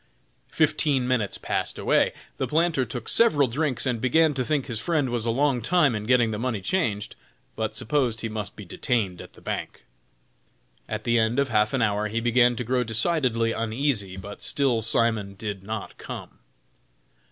Fifteen minutes passed away. The planter took several drinks, and began to think his friend was a long time in getting the money changed, but supposed he must be detained at the bank. At the end of half an hour he began to grow decidedly uneasy, but still Simon did not come.